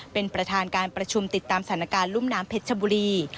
เป็นประธานการประชุมติดตามสถานการณ์รุ่มน้ำเพชรชบุรี